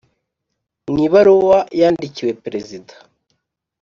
Mu ibaruwa yandikiwe Perezida